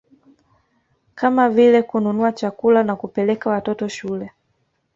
Kama vile kununua chakula na kupeleka watoto shule